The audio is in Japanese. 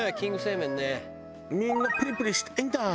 みんなプリプリしたいんだ。